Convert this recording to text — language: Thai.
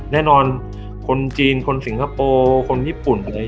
แน่นอนคนจีนคนสิงคโปร์คนญี่ปุ่นอะไร